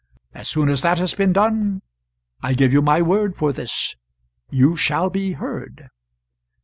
As soon as that has been done I give you my word for this you shall he heard."